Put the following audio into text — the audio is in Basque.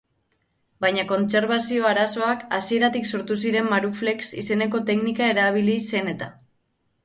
Baina kontserbazio arazoak hasieratik sortu ziren maruflex izeneko teknika erabili zen eta.